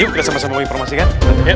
yuk kita sama sama menginformasikan